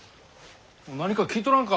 何か聞いとらんか？